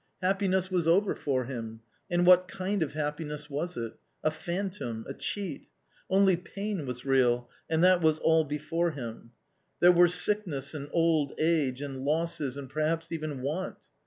Happiness was over for him ; and what kind of happi ness was it? A phantom, a cheat. Only pain was real, and that was all before him. There were sickness and old age, and losses and perhaps even want.